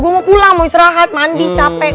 gue mau pulang mau istirahat mandi capek